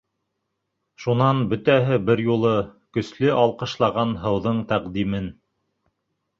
Шунан бөтәһе бер юлы көслө алҡышлаған һыуҙың тәҡдимен.